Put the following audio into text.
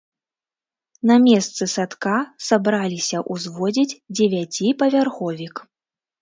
На месцы садка сабраліся ўзводзіць дзевяціпавярховік.